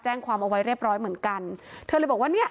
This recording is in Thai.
แจ้งความเอาไว้เรียบร้อยเหมือนกันเธอเลยบอกว่าเนี้ย